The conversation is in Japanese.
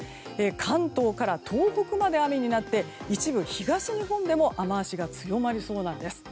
関東から東北まで雨になって一部、東日本でも雨脚が強まりそうなんです。